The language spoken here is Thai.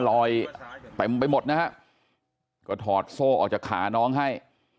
ลอยเต็มไปหมดนะฮะก็ถอดโซ่ออกจากขาน้องให้